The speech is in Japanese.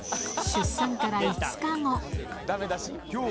出産から５日後。